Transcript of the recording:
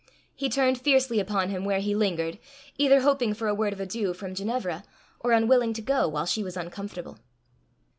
He turned fiercely upon him where he lingered, either hoping for a word of adieu from Ginevra, or unwilling to go while she was uncomfortable.